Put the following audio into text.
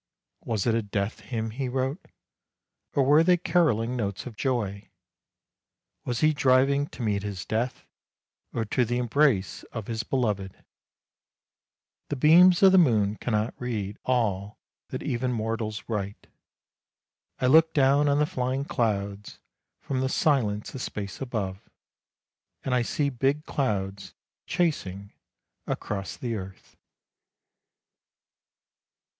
Was it a death hymn he wrote? or were they carolling notes of joy? Was he driving to meet his death, or to the embrace of his beloved ? The beams of the moon cannot read all that even mortals write. I look down on the flying clouds, from the silence of space above, and I see big clouds chasing across the earth."